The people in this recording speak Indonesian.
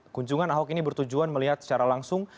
kunjungan ahok ini bertujuan melihat secara langsung